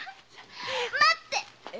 待って！